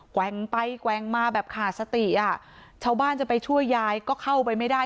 แว่งไปแกว่งมาแบบขาดสติอ่ะชาวบ้านจะไปช่วยยายก็เข้าไปไม่ได้